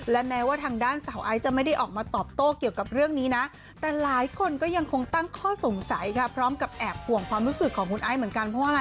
และแม้ว่าทางด้านสาวไอซ์จะไม่ได้ออกมาตอบโต้เกี่ยวกับเรื่องนี้นะแต่หลายคนก็ยังคงตั้งข้อสงสัยค่ะพร้อมกับแอบห่วงความรู้สึกของคุณไอซ์เหมือนกันเพราะว่าอะไร